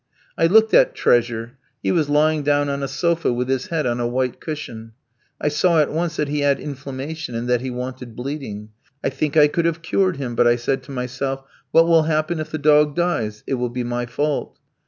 "I looked at 'Treasure,' he was lying down on a sofa with his head on a white cushion. I saw at once that he had inflammation, and that he wanted bleeding. I think I could have cured him, but I said to myself, 'What will happen if the dog dies? It will be my fault.'